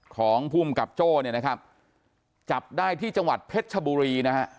ของภูมิกับโจ้เนี่ยนะครับจับได้ที่จังหวัดเพชรชบุรีนะฮะ